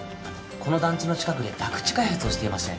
この団地の近くで宅地開発をしていまして。